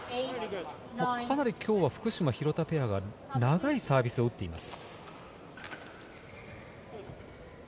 かなり今日は、福島、廣田ペアが長いサービスを打っています。